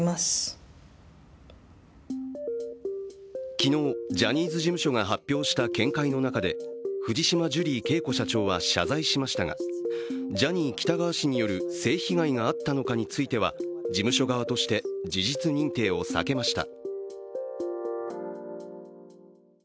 昨日、ジャニーズ事務所が発表した見解の中で藤島ジュリー景子社長は謝罪しましたがジャニー喜多川氏による性被害があったのかについては事務所側として事実認定を避けました。